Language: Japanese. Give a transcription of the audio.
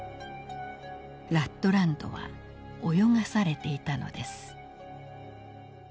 ラットランドは泳がされていたのです。